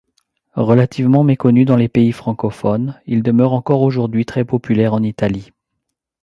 Relativement méconnu dans les pays francophones, il demeure encore aujourd'hui très populaire en Italie.